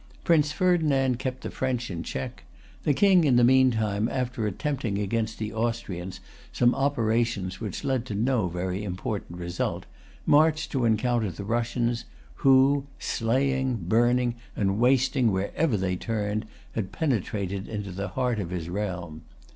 Prince Ferdinand kept the French in check. The King in the meantime, after attempting against the Austrians some operations which led to no very important result, marched to encounter the Russians, who, slaying, burning, and wasting wherever they turned, had penetrated into the heart of his realm.